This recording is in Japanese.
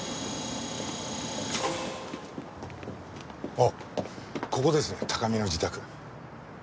あっここですね高見の自宅。